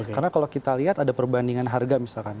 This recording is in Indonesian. karena kalau kita lihat ada perbandingan harga misalkan